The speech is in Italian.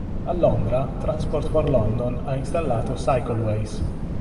A Londra Transport for London ha installato Cycleways.